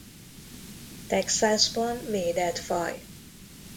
Texasban védett faj.